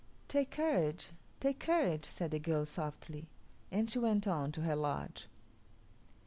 "Take courage, take courage," said the girl softly, and she went on to her lodge.